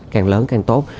càng lớn càng tốt